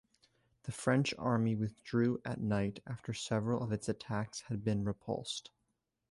The French army withdrew at night after several of its attacks had been repulsed.